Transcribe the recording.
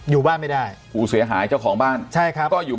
อยู่บ้านไม่ได้ผู้เสียหายเจ้าของบ้านใช่ครับก็อยู่